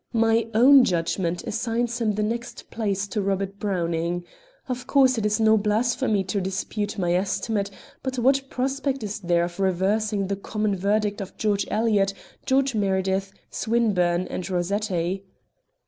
My own judgment assigns him the next place to Robert Browning. Of course it is no blasphemy to dispute my estimate; but what prospect is there of reversing the common verdict of George Eliot, George Meredith, Swinburne, and Rossetti?